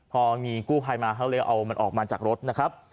พอมีกู้ภัยมาเขาเลยเอามันออกมาจากรถนะครับ